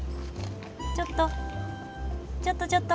ちょっとちょっとちょっと。